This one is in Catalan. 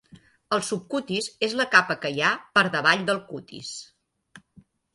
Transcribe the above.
El subcutis és la capa que hi ha per davall del cutis.